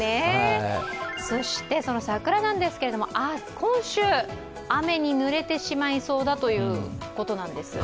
そして、その桜なんですけれども今週、雨に濡れてしまいそうだということなんです。